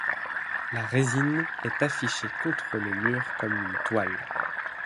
La résine est affichée contre le mur comme une toile.